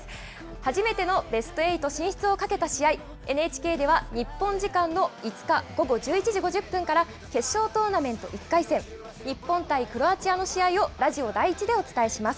初めてのベストエイト進出をかけた試合、ＮＨＫでは日本時間の５日午後１１時５０分から決勝トーナメント１回戦、日本対クロアチアの試合をラジオ第１でお伝えします。